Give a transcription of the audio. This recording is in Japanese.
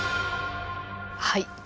はい。